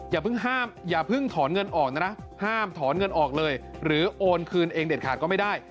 ห้ามอย่าเพิ่งถอนเงินออกนะนะห้ามถอนเงินออกเลยหรือโอนคืนเองเด็ดขาดก็ไม่ได้